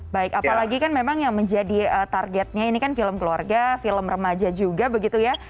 baik apalagi kan memang yang menjadi targetnya ini kan film keluarga film remaja juga begitu ya